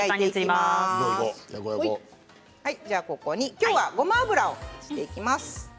今日はごま油を足していきます。